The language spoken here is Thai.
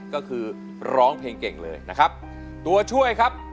ก็คือร้องเพลงเก่งเลยนะครับตัวช่วยครับ